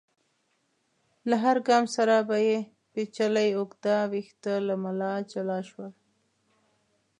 له هر ګام سره به يې پيچلي اوږده ويښته له ملا جلا شول.